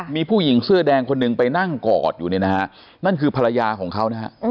มีผู้หญิงเสื้อแดงคนหนึ่งไปนั่งกอดอยู่เนี่ยนะฮะนั่นคือภรรยาของเขานะฮะ